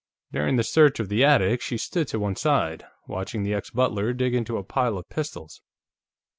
During the search of the attic, she stood to one side, watching the ex butler dig into a pile of pistols.